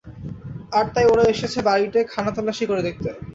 আর তাই ওরা এসেছে বাড়িটা খানাতল্লাশি করে দেখতে।